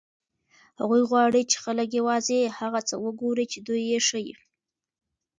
هغوی غواړي چې خلک یوازې هغه څه وګوري چې دوی یې ښيي.